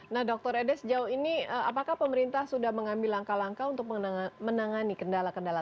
nah dr ede sejauh ini apakah pemerintah sudah mengambil langkah langkah untuk menangani kendala kendala